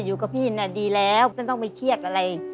อยู่กับพี่น่ะดีแล้วก็ต้องไปเครียดอะไร